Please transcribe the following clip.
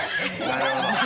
なるほど。